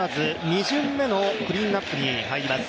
２巡目のクリーンアップに入ります。